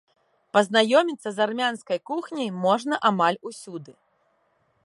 Пазнаёміцца з армянскай кухняй можна амаль усюды.